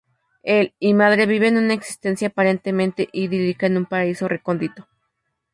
Él y madre viven una existencia aparentemente idílica en un paraíso recóndito.